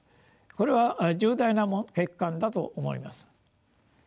これは重大な欠陥だと思います。